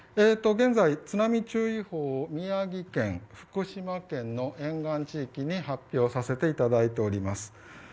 現在、津波注意報宮城県、福島県の沿岸地域に発表させていただいております。